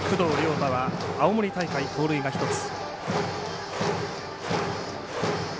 大は青森大会、盗塁が１つ。